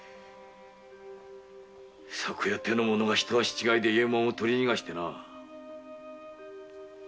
昨夜手の者が一足違いで伊右衛門を取り逃がしてな。